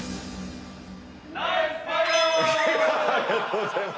ありがとうございます。